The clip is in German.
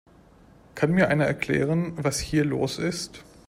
Kann mir einer erklären, was hier los ist?